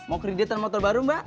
mau kreditan motor baru mbak